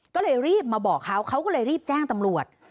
ก็เลยรีบมาบอกเขาเขาก็เลยรีบแจ้งตำรวจ